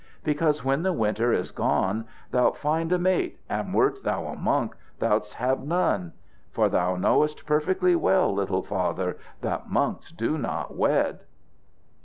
Because, when the winter is gone, thou'lt find a mate, and wert thou a monk thou'dst have none. For thou knowest perfectly well, little Father, that monks do not wed."